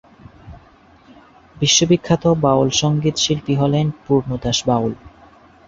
বিশ্ববিখ্যাত বাউল সংগীত শিল্পী হলেন পূর্ণ দাস বাউল।